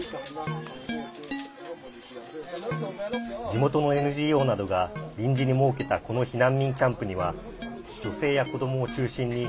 地元のＮＧＯなどが臨時に設けたこの避難民キャンプには女性や子どもを中心に